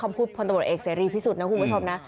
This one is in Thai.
คำพูดพนตำรวจเอกซีรีส์พริสุทธิ์นะครูประชมนะ